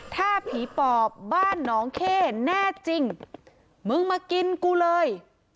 ถ้าผีปอบบ้านหนองเข้แน่จริงมึงมากินกูเลย